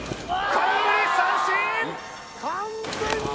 空振り三振！